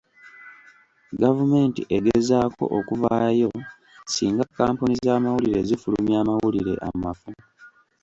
Gavumenti egezaako okuvaayo singa kkampuni z'amawulire zifulumya amawulire amafu.